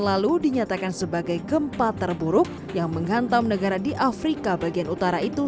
lalu dinyatakan sebagai gempa terburuk yang menghantam negara di afrika bagian utara itu